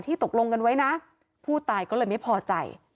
ตกลงกันไว้นะผู้ตายก็เลยไม่พอใจ